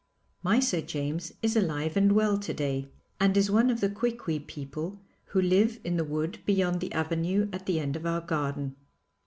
My Sir James is alive and well to day, and is one of the Quiqui people who live in the wood beyond the avenue at the end of our garden.